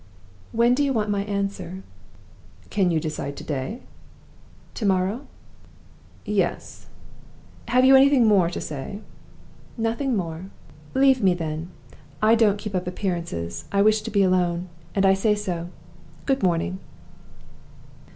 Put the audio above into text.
"When do you want my answer?" "Can you decide to day?" "To morrow?" "Yes. Have you anything more to say?" "Nothing more." "Leave me, then. I don't keep up appearances. I wish to be alone, and I say so. Good morning."